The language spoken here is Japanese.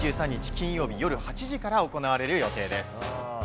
金曜日、夜８時から行われる予定です。